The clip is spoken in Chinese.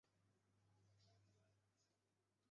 怀卡托大学位于纽西兰汉密尔顿市和陶朗加地区。